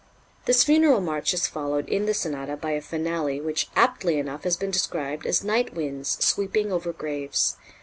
This funeral march is followed in the sonata by a finale which aptly enough has been described as night winds sweeping over graves.